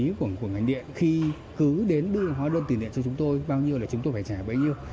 cũng là cái việc của ngành điện khi cứ đến đưa hóa đơn tiền điện cho chúng tôi bao nhiêu là chúng tôi phải trả bấy nhiêu